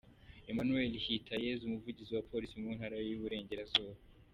Emmanuel Hitayezu, umuvugizi wa Polisi mu Ntara y’Uburengerazuba.